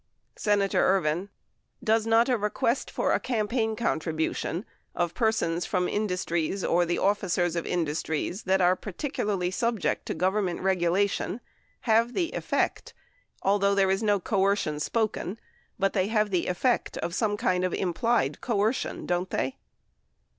Senator Ervin. Does not a request for a campaign contribu tion of persons from industries or the officers of industries that are particularly subject to Government, regulation have the effect, although there is no coercion spoken, but they have the effect of some kind of an implied coercion, don't they?